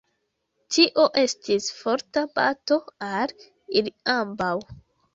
Tio estis forta bato al ili ambaŭ.